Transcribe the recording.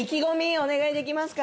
お願いできますか？